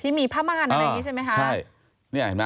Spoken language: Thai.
ผ้ามีผ้าม่านอะไรอย่างนี้ใช่ไหมคะ